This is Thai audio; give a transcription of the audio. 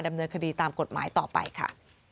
ดำเนินคดีตามกฎหมายต่อไปค่ะ